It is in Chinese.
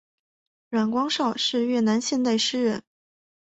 阮光韶是越南现代诗人。